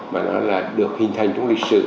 mà nó được hình thành trong lịch sử